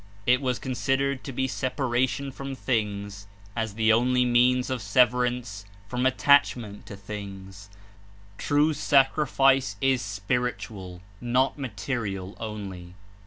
It was considered to be separation from things as the only means of severance from attach ment to things. True sacrifice is spiritual, not ma terial only.